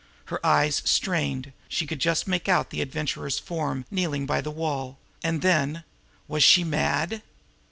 Her eyes, strained, she could just make out the Adventurer's form kneeling by the wall, and then was she mad!